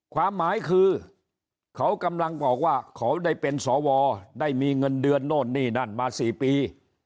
ความหมายคือเขากำลังบอกว่าเขาได้เป็นสวได้มีเงินเดือนโน่นนี่นั่นมา๔ปี